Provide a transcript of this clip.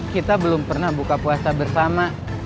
kita belum pernah buka puasa bersama